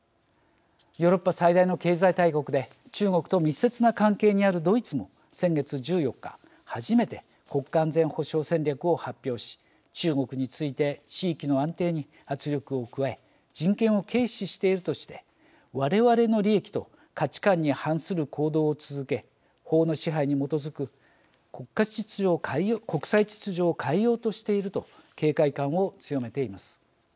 ヨーロッパ最大の経済大国で中国と密接な関係にあるドイツも先月１４日、初めて国家安全保障戦略を発表し中国について地域の安定に圧力を加え人権を軽視しているとして我々の利益と価値観に反する行動を続け法の支配に基づく国際秩序を変えようとしていると警戒感を強めています。